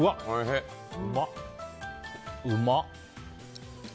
うまっ！